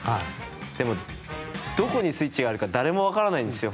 でも、どこにスイッチがあるか誰も分からないんですよ